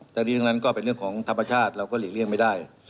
ทั้งนี้ทั้งนั้นก็เป็นเรื่องของธรรมชาติเราก็หลีกเลี่ยงไม่ได้